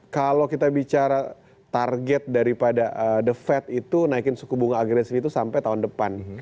kalau kita bicara target daripada the fed itu naikin suku bunga agresif itu sampai tahun depan